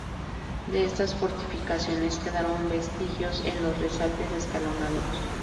De estas fortificaciones quedaron vestigios en los resaltes escalonados.